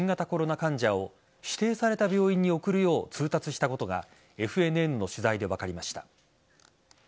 患者を指定された病院に送るよう通達したことがＦＮＮの取材で分かりました。